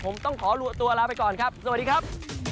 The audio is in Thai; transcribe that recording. ผมต้องขอตัวลาไปก่อนครับสวัสดีครับ